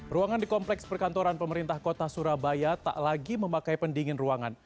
ruangan di kompleks perkantoran pemerintah kota surabaya tak lagi memakai pendingin ruangan